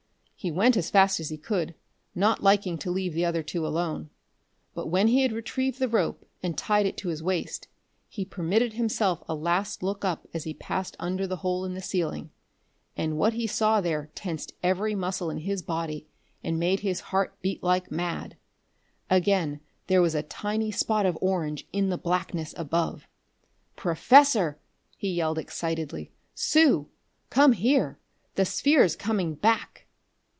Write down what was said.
He went as fast as he could, not liking to leave the other two alone. But when he had retrieved the rope and tied it to his waist, he permitted himself a last look up as he passed under the hole in the ceiling and what he saw there tensed every muscle in his body, and made his heart beat like mad. Again there was a tiny spot of orange in the blackness above! "Professor!" he yelled excitedly. "Sue! Come here! The sphere's coming back!"